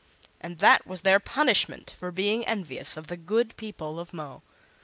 And that was their punishment for being envious of the good people of Mo.